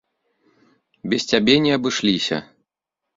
Без цябе не абышліся.